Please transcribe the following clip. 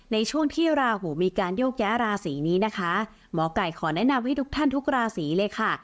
ในช่วงที่ราหูมีการโยกย้ายราศีนี้นะคะหมอไก่ขอแนะนำให้ทุกท่านทุกราศีเลยค่ะ